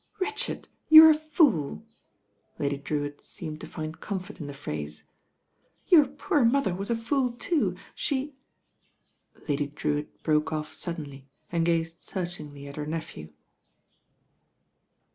"Richard, you're a fool." Lady Drewitt seemed to find comfort in the phrase. "Your poor dear mother was a fool too. She '* Lady Drewitt broke off suddenly and gazed searchingly at her nephew.